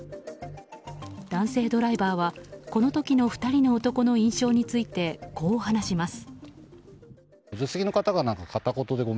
男性ドライバーはこの時の２人の男の印象についてこう話します。